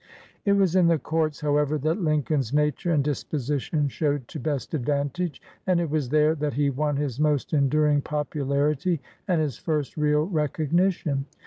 It was in the courts, however, that Lincoln's nature and disposition showed to best advantage, and it was there that he won his most enduring popularity and his first real recognition.